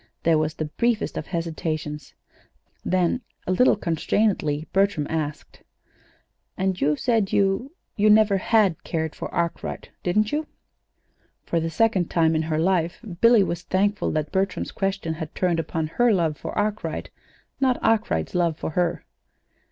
There was the briefest of hesitations; then, a little constrainedly, Bertram asked: "And you said you you never had cared for Arkwright, didn't you?" For the second time in her life Billy was thankful that Bertram's question had turned upon her love for Arkwright, not Arkwright's love for her.